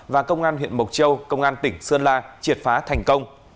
và công an huyện mộc châu công an tỉnh sơn la triệt phá thành công